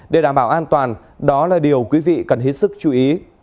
để đảm bảo an toàn đó là điều quý vị cần hết sức chú ý